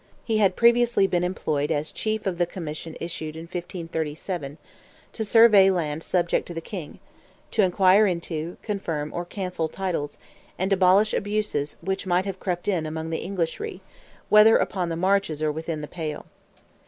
He had previously been employed as chief of the commission issued in 1537, to survey land subject to the King, to inquire into, confirm, or cancel titles, and abolish abuses which might have crept in among the Englishry, whether upon the marches or within the Pale.